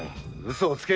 嘘をつけ。